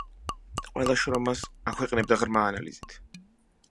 ყველა შრომას აქვეყნებდა ღრმა ანალიზით.